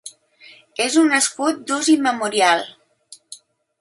És un escut d'ús immemorial.